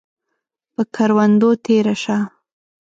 پۀ کروندو تیره شه